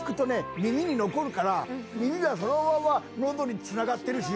耳に残るから耳がそのまま喉につながってるし。